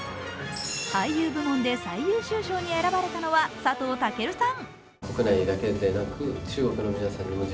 俳優部門で最優秀賞に選ばれたのは佐藤健さん。